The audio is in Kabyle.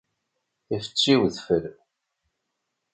Ifetti wedfel.